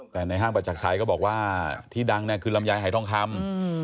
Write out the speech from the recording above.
แต่ในห้างประจักรชัยก็บอกว่าที่ดังคือลำไยหายทองคำ